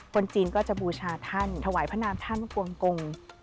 คนจีนก็จะบูชาท่านถวายพระนามท่านกวงกง